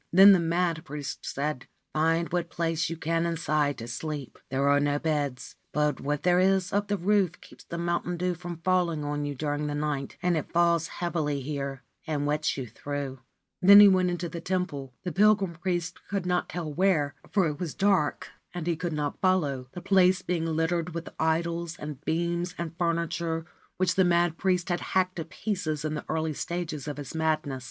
Then the mad priest said, * Find what place you can inside to sleep. There are no beds ; but what there is of the roof keeps the mountain dew from falling on you during the night, and it falls heavily here and wets you through/ Then he went into the temple — the pilgrim priest could not tell where, for it was dark and he could not follow, the place being littered with idols and beams and furniture which the mad priest had hacked to pieces in the early stages of his madness.